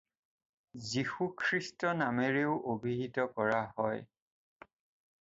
যীশু খ্ৰীষ্ট নামেৰেও অভিহিত কৰা হয়।